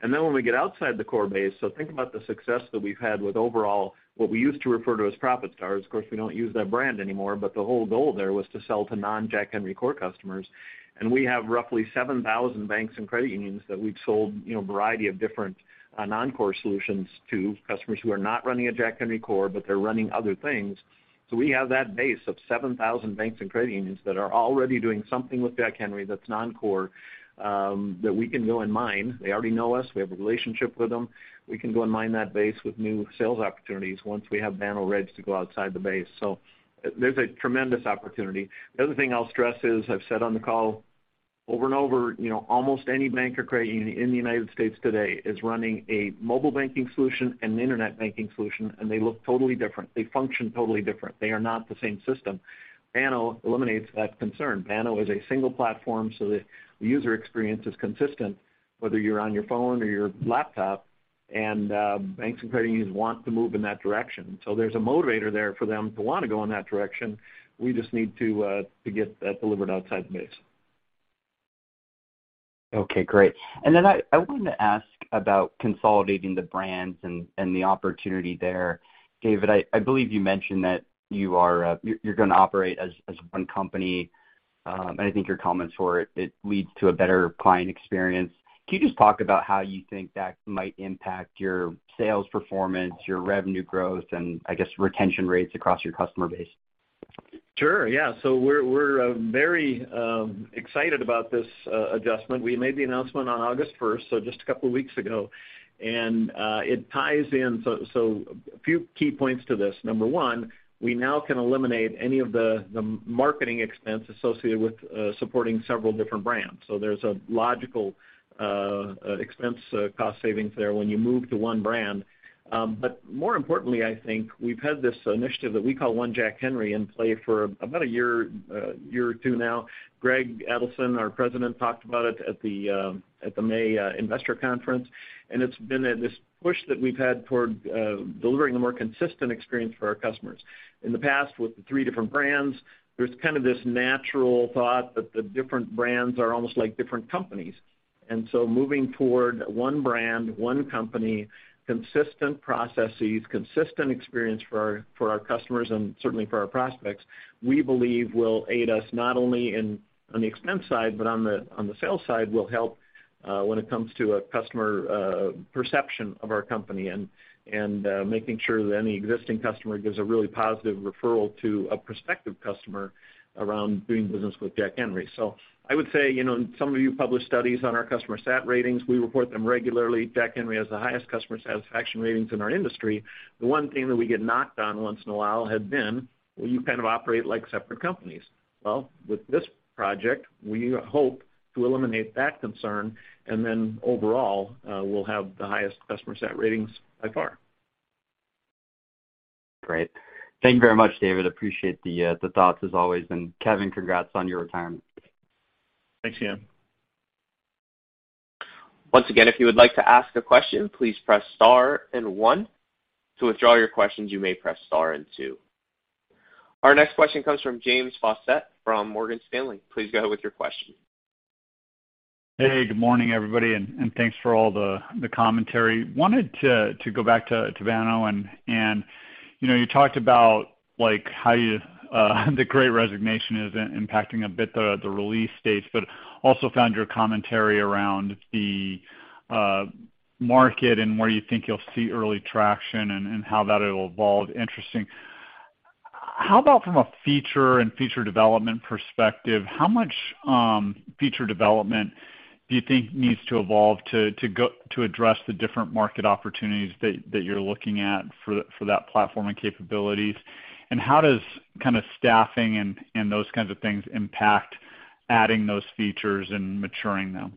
When we get outside the core base, so think about the success that we've had with overall, what we used to refer to as ProfitStars. Of course, we don't use that brand anymore, but the whole goal there was to sell to non Jack Henry core customers. We have roughly 7,000 banks and credit unions that we've sold, you know, a variety of different non-core solutions to customers who are not running a Jack Henry core, but they're running other things. We have that base of 7,000 banks and credit unions that are already doing something with Jack Henry that's non-core that we can go and mine. They already know us. We have a relationship with them. We can go and mine that base with new sales opportunities once we have Banno reps to go outside the base. There's a tremendous opportunity. The other thing I'll stress is, I've said on the call over and over, you know, almost any bank or credit union in the United States today is running a mobile banking solution and an internet banking solution, and they look totally different. They function totally different. They are not the same system. Banno eliminates that concern. Banno is a single platform so that the user experience is consistent, whether you're on your phone or your laptop, and banks and credit unions want to move in that direction. There's a motivator there for them to wanna go in that direction. We just need to get that delivered outside the base. Okay, great. I wanted to ask about consolidating the brands and the opportunity there. David, I believe you mentioned that you are, you're gonna operate as one company, and I think your comments were it leads to a better client experience. Can you just talk about how you think that might impact your sales performance, your revenue growth, and I guess, retention rates across your customer base? Sure, yeah. We're very excited about this adjustment. We made the announcement on August first, so just a couple of weeks ago. It ties in. A few key points to this. Number one, we now can eliminate any of the marketing expense associated with supporting several different brands. There's a logical expense cost savings there when you move to one brand. But more importantly, I think we've had this initiative that we call One Jack Henry in play for about a year, a year or two now. Greg Adelson, our president, talked about it at the May investor conference, and it's been this push that we've had toward delivering a more consistent experience for our customers. In the past with the three different brands, there's kind of this natural thought that the different brands are almost like different companies. Moving toward one brand, one company, consistent processes, consistent experience for our customers and certainly for our prospects, we believe will aid us not only in on the expense side, but on the sales side will help when it comes to a customer perception of our company and making sure that any existing customer gives a really positive referral to a prospective customer around doing business with Jack Henry. I would say, you know, and some of you publish studies on our customer sat ratings, we report them regularly. Jack Henry has the highest customer satisfaction ratings in our industry. The one thing that we get knocked on once in a while had been, well, you kind of operate like separate companies. Well, with this project, we hope to eliminate that concern, and then overall, we'll have the highest customer sat ratings by far. Great. Thank you very much, David. Appreciate the thoughts as always. Kevin, congrats on your retirement. Thanks, Ken. Once again, if you would like to ask a question, please press star and one. To withdraw your questions, you may press star and two. Our next question comes from James Faucette from Morgan Stanley. Please go ahead with your question. Hey, good morning, everybody, and thanks for all the commentary. Wanted to go back to Vance and, you know, you talked about like how you the Great Resignation is impacting a bit the release dates, but also found your commentary around the market and where you think you'll see early traction and how that it'll evolve. Interesting. How about from a feature development perspective, how much feature development do you think needs to evolve to address the different market opportunities that you're looking at for that platform and capabilities? How does kinda staffing and those kinds of things impact adding those features and maturing them?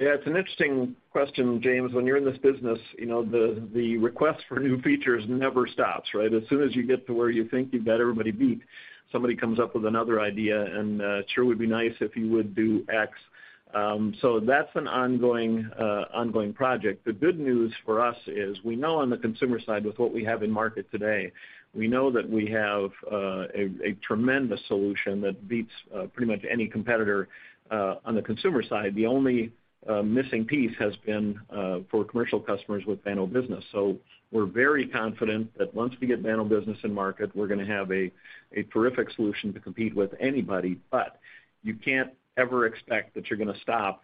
Yeah, it's an interesting question, James. When you're in this business, you know, the request for new features never stops, right? As soon as you get to where you think you've got everybody beat, somebody comes up with another idea and sure would be nice if you would do X. That's an ongoing project. The good news for us is we know on the consumer side, with what we have in market today, we know that we have a tremendous solution that beats pretty much any competitor on the consumer side. The only missing piece has been for commercial customers with Banno Business. We're very confident that once we get Banno Business in market, we're gonna have a terrific solution to compete with anybody. You can't ever expect that you're gonna stop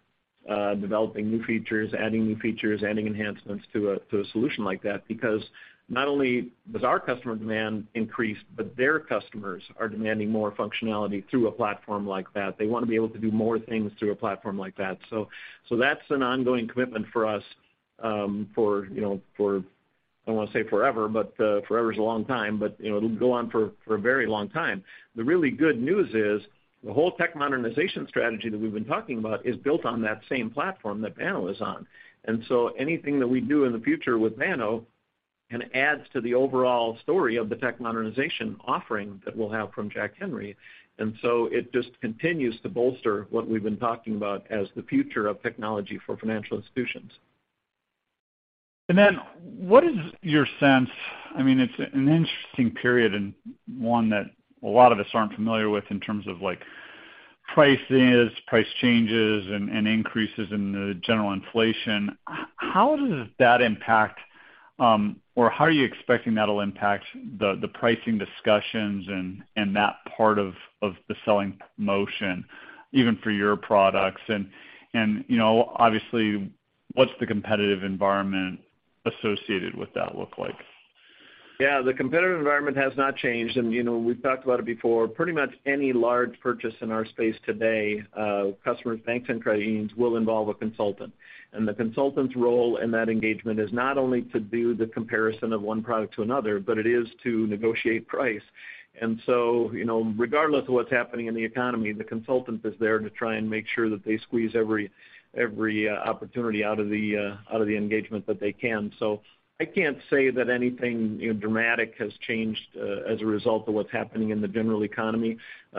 developing new features, adding new features, adding enhancements to a solution like that because not only does our customer demand increase, but their customers are demanding more functionality through a platform like that. They wanna be able to do more things through a platform like that. So that's an ongoing commitment for us, you know, I don't wanna say forever, but forever is a long time. You know, it'll go on for a very long time. The really good news is the whole tech modernization strategy that we've been talking about is built on that same platform that Banno is on. Anything that we do in the future with Banno kinda adds to the overall story of the tech modernization offering that we'll have from Jack Henry. It just continues to bolster what we've been talking about as the future of technology for financial institutions. What is your sense? I mean, it's an interesting period and one that a lot of us aren't familiar with in terms of like prices, price changes and increases in the general inflation. How does that impact, or how are you expecting that'll impact the pricing discussions and that part of the selling motion, even for your products? You know, obviously, what's the competitive environment associated with that look like? Yeah, the competitive environment has not changed. You know, we've talked about it before. Pretty much any large purchase in our space today, customers, banks and credit unions will involve a consultant. The consultant's role in that engagement is not only to do the comparison of one product to another, but it is to negotiate price. You know, regardless of what's happening in the economy, the consultant is there to try and make sure that they squeeze every opportunity out of the engagement that they can. I can't say that anything, you know, dramatic has changed, as a result of what's happening in the general economy,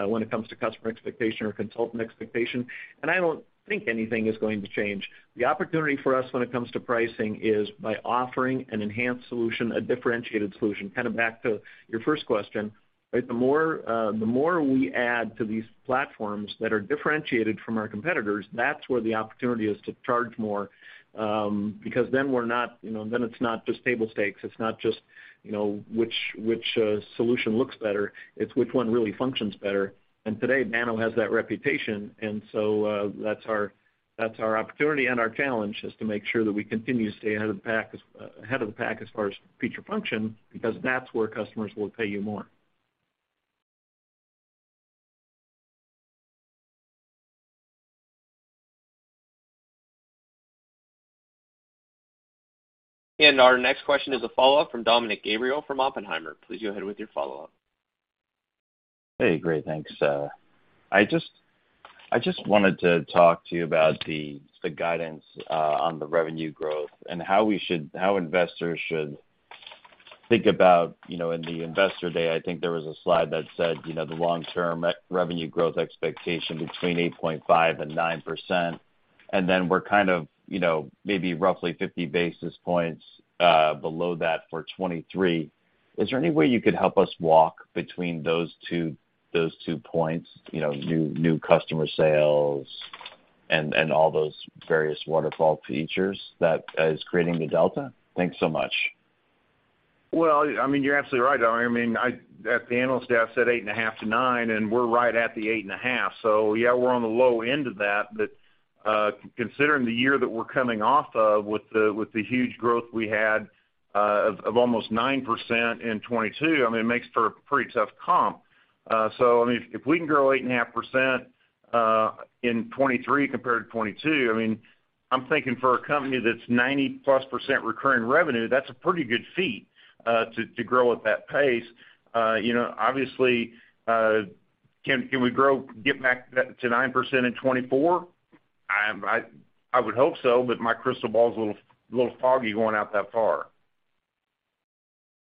when it comes to customer expectation or consultant expectation. I don't think anything is going to change. The opportunity for us when it comes to pricing is by offering an enhanced solution, a differentiated solution. Kinda back to your first question, right? The more we add to these platforms that are differentiated from our competitors, that's where the opportunity is to charge more, because then it's not just table stakes, it's not just which solution looks better, it's which one really functions better. Today, Banno has that reputation. That's our opportunity and our challenge, is to make sure that we continue to stay ahead of the pack as far as feature function, because that's where customers will pay you more. Our next question is a follow-up from Dominick Gabriele from Oppenheimer & Co. Please go ahead with your follow-up. Hey, great. Thanks. I just wanted to talk to you about the guidance on the revenue growth and how investors should think about, you know, in the investor day, I think there was a slide that said, you know, the long-term revenue growth expectation between 8.5% and 9%. Then we're kind of, you know, maybe roughly 50 basis points below that for 2023. Is there any way you could help us walk between those two points, you know, new customer sales and all those various waterfall features that is creating the delta? Thanks so much. Well, I mean, you're absolutely right. I mean, at the analyst day, I said 8.5%-9%, and we're right at the 8.5%. Yeah, we're on the low end of that. Considering the year that we're coming off of with the huge growth we had of almost 9% in 2022, I mean, it makes for a pretty tough comp. I mean, if we can grow 8.5% in 2023 compared to 2022, I mean, I'm thinking for a company that's 90+% recurring revenue, that's a pretty good feat to grow at that pace. You know, obviously, can we get back to 9% in 2024? I would hope so, but my crystal ball is a little foggy going out that far.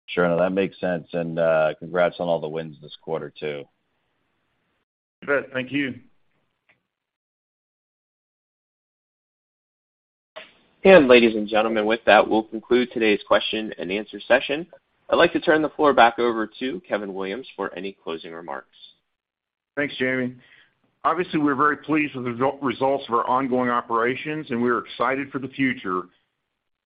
Sure. No, that makes sense. Congrats on all the wins this quarter too. You bet. Thank you. Ladies and gentlemen, with that, we'll conclude today's question and answer session. I'd like to turn the floor back over to Kevin Williams for any closing remarks. Thanks, Jamie. Obviously, we're very pleased with the results of our ongoing operations, and we're excited for the future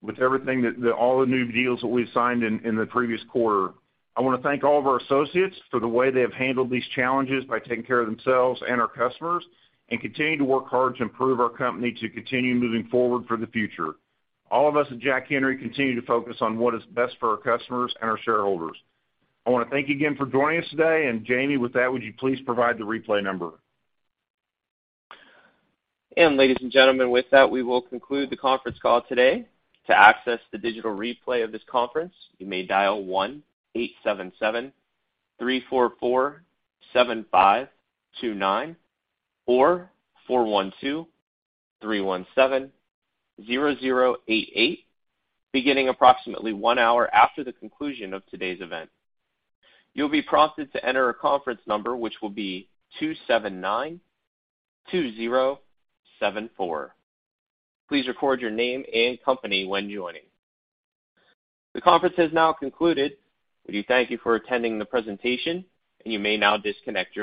with everything, all the new deals that we've signed in the previous quarter. I wanna thank all of our associates for the way they have handled these challenges by taking care of themselves and our customers, and continue to work hard to improve our company to continue moving forward for the future. All of us at Jack Henry continue to focus on what is best for our customers and our shareholders. I wanna thank you again for joining us today. Jamie, with that, would you please provide the replay number? Ladies and gentlemen, with that, we will conclude the conference call today. To access the digital replay of this conference, you may dial 1-877-344-7529 or 412-317-0088, beginning approximately one hour after the conclusion of today's event. You'll be prompted to enter a conference number, which will be 2792074. Please record your name and company when joining. The conference has now concluded. We thank you for attending the presentation, and you may now disconnect your line.